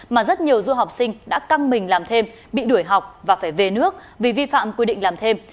mà rất nhiều du học sinh đã căng mình làm thêm bị đuổi học và phải về nước vì vi phạm quy định làm thêm